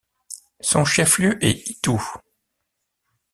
Son chef-lieu est Itou.